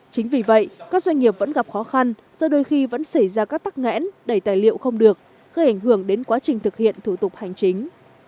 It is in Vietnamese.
chính vì vậy các doanh nghiệp vẫn gặp khó khăn do đôi khi vẫn xảy ra các tắc nghẽn đầy tài liệu không được gây ảnh hưởng đến quá trình thực hiện thủ tục hành chính